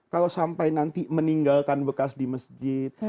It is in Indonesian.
kalau sampai nanti meninggalkan bekas di masjid